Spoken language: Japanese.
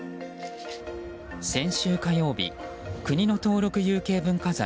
先週火曜日、国の登録有形文化財